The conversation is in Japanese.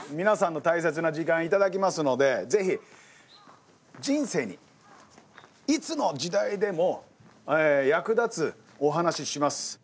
皆さんの大切な時間頂きますので是非人生にいつの時代でも役立つお話します。